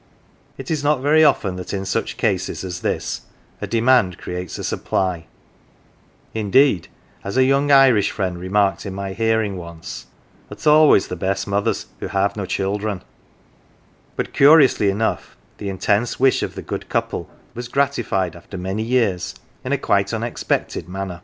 It is not very often that in such cases as this, a demand creates a supply ; indeed, as a young Irish friend remarked in my hearing once, " It is always the best mothers who have no children ;" but, curiously enough, the intense wish of the good couple was gratified after many years in quite an unexpected manner.